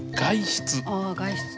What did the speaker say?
ああ外出。